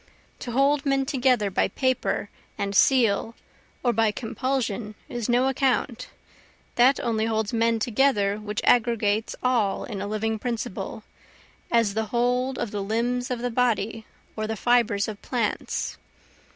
To hold men together by paper and seal or by compulsion is no account, That only holds men together which aggregates all in a living principle, as the hold of the limbs of the body or the fibres of plants.